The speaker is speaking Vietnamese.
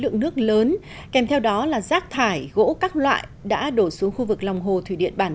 lượng nước lớn kèm theo đó là rác thải gỗ các loại đã đổ xuống khu vực lòng hồ thủy điện bản